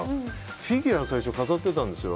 フィギュアを最初飾っていたんですよ。